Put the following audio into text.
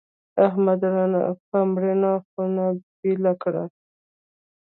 احمد رانه په مړینه خونه بېله کړه.